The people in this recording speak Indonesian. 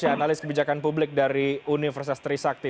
analis kebijakan publik dari universitas trisakti